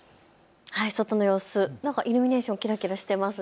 外の様子、イルミネーションがキラキラしていますね。